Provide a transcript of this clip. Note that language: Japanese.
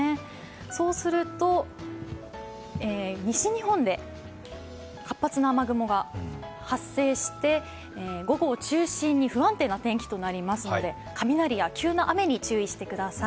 そうすると西日本で活発な雨雲が発生して、午後を中心に不安定な天気となりますので、雷や急な雨に注意してください。